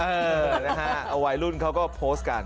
เออนะฮะเอาวัยรุ่นเขาก็โพสต์กัน